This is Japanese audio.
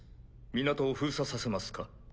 港を封鎖させますか？